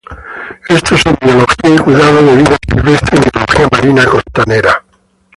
Estos son Biología y Cuidado de Vida Silvestre y Biología Marina Costanera.